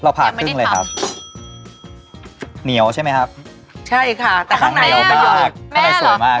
เราผ่าครึ่งเลยครับเหนียวใช่ไหมครับใช่ค่ะแต่ข้างในข้างในสวยมากครับ